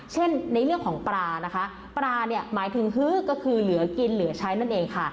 ในเรื่องของปลานะคะปลาเนี่ยหมายถึงฮือก็คือเหลือกินเหลือใช้นั่นเองค่ะ